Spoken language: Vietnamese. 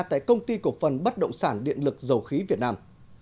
tại công ty cổ phần bất động sản điện lực dầu khí việt nam